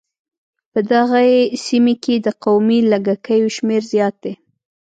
په دغې سيمې کې د قومي لږکيو شمېر زيات دی.